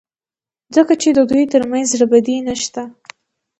ځکه چې د دوی ترمنځ زړه بدي نشته.